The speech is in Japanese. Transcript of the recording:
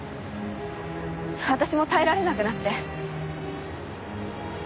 私も耐えられなくなって。